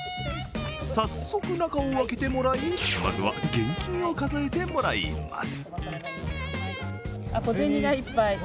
早速、中を開けてもらい、まずは現金を数えてもらいます。